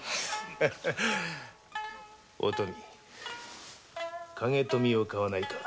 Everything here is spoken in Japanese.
お富影富を買わないか？